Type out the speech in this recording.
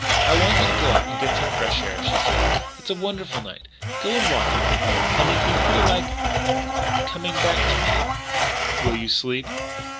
"I want you to go out and get some fresh air," she said. "It's a wonderful night. Go and walk a while. And if you feel like coming back to me " "Will you sleep?"